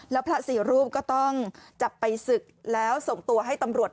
แล้วพระสี่รูปก็ต้องจับไปศึกแล้วส่งตัวให้ตำรวจ